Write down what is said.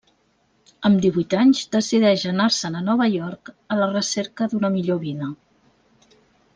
Amb divuit anys decideix anar-se'n a Nova York a la recerca d'una millor vida.